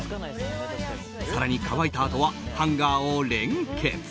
更に、乾いたあとはハンガーを連結。